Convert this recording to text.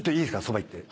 そば行って。